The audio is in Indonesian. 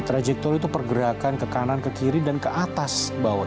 trajektor itu pergerakan ke kanan ke kiri dan ke atas bawah